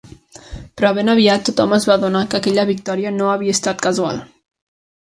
Però ben aviat tothom es va adonar que aquella victòria no havia estat casual.